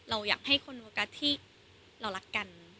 เราอยากให้คนโฟกัสที่เรารักกัน